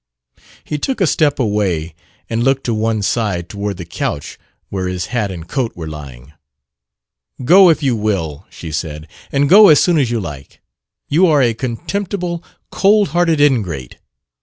He took a step away and looked to one side, toward the couch where his hat and coat were lying. "Go, if you will," she said. "And go as soon as you like. You are a contemptible, cold hearted ingrate.